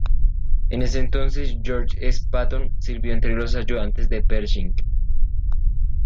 En ese entonces, George S. Patton sirvió entre los ayudantes de Pershing.